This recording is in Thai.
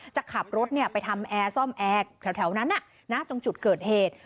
จะขับรถไปทำแอร์ซ่อมแอร์แถวนั้นตรงจุดเกิดเหตุ